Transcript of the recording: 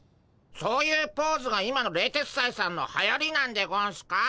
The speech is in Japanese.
そういうポーズが今の冷徹斎さんのはやりなんでゴンスか？